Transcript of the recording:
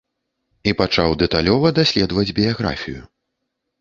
І пачаў дэталёва даследаваць біяграфію.